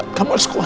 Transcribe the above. pak kamu harus kuat